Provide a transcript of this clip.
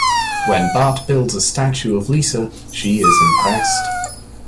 When Bart builds a statue of Lisa, she is impressed.